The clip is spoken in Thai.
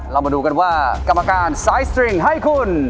เรามาดูกันว่ากรรมการสายสตริงให้คุณ